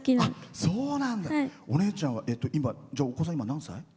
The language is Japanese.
お姉ちゃんは今、お子さんは何歳？